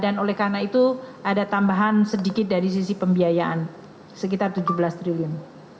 dan oleh karena itu ada tambahan sedikit dari sisi pembiayaan sekitar rp tujuh belas triliun